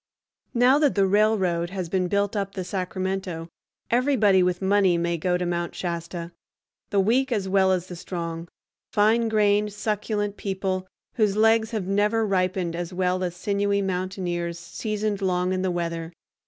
Now that the railroad has been built up the Sacramento, everybody with money may go to Mount Shasta, the weak as well as the strong, fine grained, succulent people, whose legs have never ripened, as well as sinewy mountaineers seasoned long in the weather.